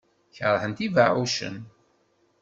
Keṛhent ibeɛɛucen.